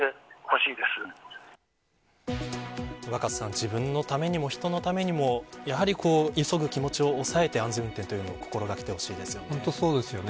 自分のためにも、人のためにもやはり急ぐ気持ちを抑えて安全運転というのを本当に、そうですね。